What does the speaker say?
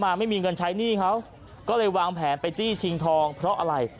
ไม่มีเงินใช้หนี้เขาก็เลยวางแผนไปจี้ชิงทองเพราะอะไร